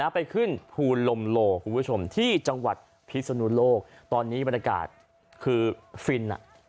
ไปขึ้นภูลมโลคุณผู้ชมที่จังหวัดพิศนุโลกตอนนี้บรรยากาศคือฟินอ่ะ